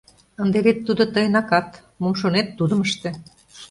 Ынде вет тудо тыйын акат, мом шонет, тудым ыште.